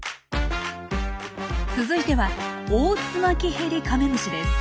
続いてはオオツマキヘリカメムシです。